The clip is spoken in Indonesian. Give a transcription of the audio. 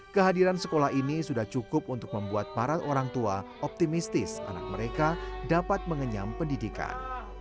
kehadiran sekolah ini sudah cukup untuk membuat para orang tua optimistis anak mereka dapat mengenyam pendidikan